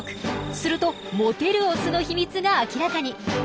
するとモテるオスの秘密が明らかに。